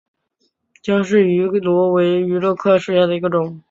姜氏芋螺为芋螺科芋螺属下的一个种。